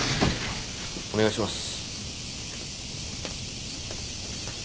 お願いします。